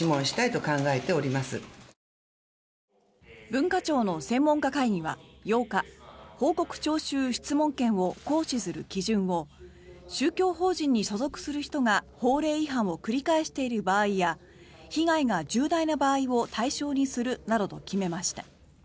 文化庁の専門家会議は８日報告徴収・質問権を行使する基準を宗教法人に所属する人が法令違反を繰り返している場合や被害が重大な場合を対象にするなどと決めました。